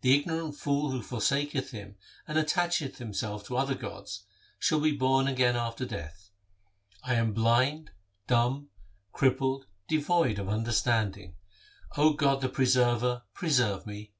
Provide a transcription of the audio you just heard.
The ignorant fool who forsaketh Him and attacheth him self to other gods, shall be born again after death. 1 am blind, dumb, crippled, devoid of understanding; O God, the Preserver, preserve me.